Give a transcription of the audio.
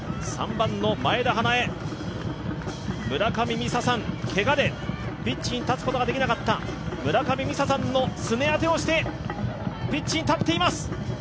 ３番の前田花依、けがでピッチに立つことができなかった村上水彩さんのすね当てをしてピッチに立っています。